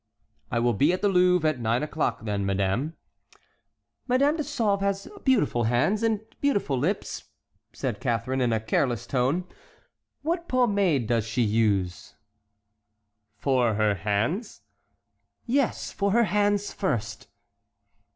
"I will be at the Louvre at nine o'clock, then, madame." "Madame de Sauve has beautiful hands and beautiful lips," said Catharine in a careless tone. "What pomade does she use?" "For her hands?" "Yes, for her hands first."